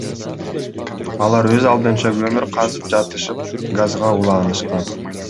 Алар өз алдынча көмүр казып жатышып газга улаанышкан.